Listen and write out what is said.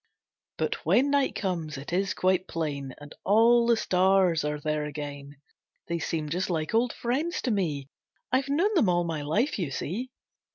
But when night comes it is quite plain, And all the stars are there again. They seem just like old friends to me, I've known them all my life you see.